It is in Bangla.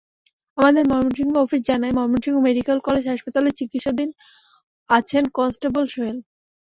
আমাদের ময়মনসিংহ অফিস জানায়, ময়মনসিংহ মেডিকেল কলেজ হাসপাতালে চিকিত্সাধীন আছেন কনস্টেবল সোহেল।